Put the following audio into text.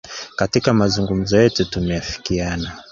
Katika mazungumzo yetu tumeafikiana